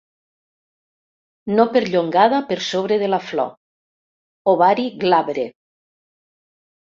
No perllongada per sobre de la flor. Ovari glabre.